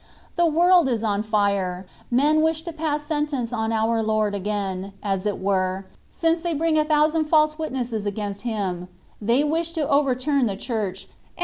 The world is on fire. Men wish to pass sentence on our Lord again, as it were, since they bring a thousand false witnesses against Him : they wish to overturn the Church i^ and *